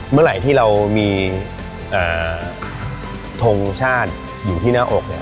เมื่อไหร่ที่เรามีทงชาติอยู่ที่หน้าอกเนี่ย